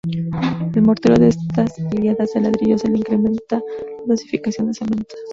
Al mortero de estas hiladas de ladrillos se le incrementa la dosificación de cemento.